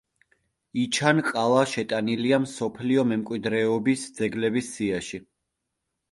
იჩან-ყალა შეტანილია მსოფლიო მემკვიდრეობის ძეგლების სიაში.